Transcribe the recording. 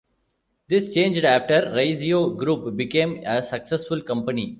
This changed after Raisio Group became a successful company.